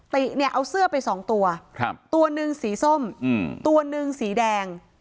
ติเนี่ยเอาเสื้อไปสองตัวตัวหนึ่งสีส้มตัวหนึ่งสีแดง